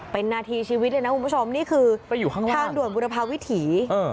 เป็นนาทีชีวิตเลยนะคุณผู้ชมนี่คือทางด่วนบุรพาวิถี